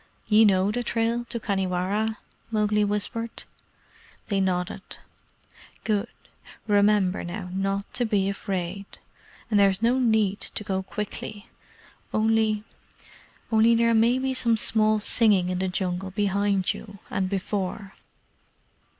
"Ye know the trail to Khanhiwara?" Mowgli whispered. They nodded. "Good. Remember, now, not to be afraid. And there is no need to go quickly. Only only there may be some small singing in the Jungle behind you and before."